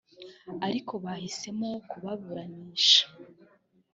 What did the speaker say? ariko bahisemo kubaburanisha